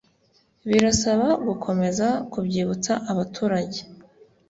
Birasaba gukomeza kubyibutsa abaturage